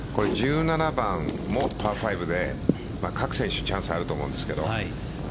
１７番もパー５で各選手チャンスあると思うんですけど。